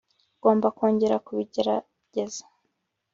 ngomba kongera kubigerageza